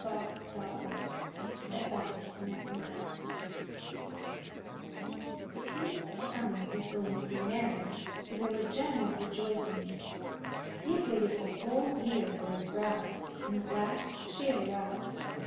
THE REMARKABLE ROCKET The King's son was going to be married, so there were general rejoicings. He had waited a whole year for his bride, and at last she had arrived.